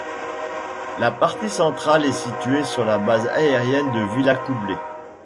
La partie centrale est située sur la base aérienne de Villacoublay.